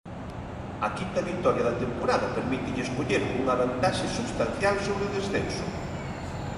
A quinta vitoria da temporada permítelles coller unha vantaxe substancial sobre o descenso.